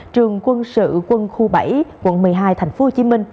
trường quân sự quân khu bảy quận một mươi hai tp hcm